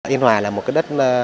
yên hòa là một cái đất